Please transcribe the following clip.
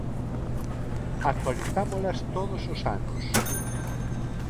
Actualizámolas todos os anos.